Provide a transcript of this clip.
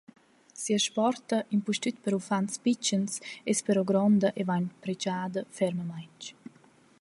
Sia sporta –impustüt per uffants pitschens –es però gronda e vain predschada fermamaing.